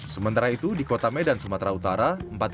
sementara itu di kota medan sumatera utara